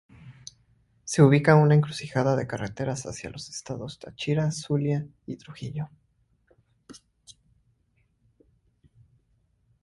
Se ubica en una encrucijada de carreteras hacia los estados Táchira, Zulia y Trujillo.